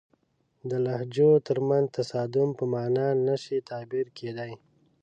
د لهجو ترمنځ تصادم په معنا نه شي تعبیر کېدای.